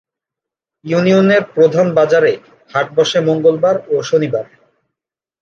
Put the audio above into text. ইউনিয়নের প্রধান বাজারে হাট বসে মঙ্গলবার ও শনিবার।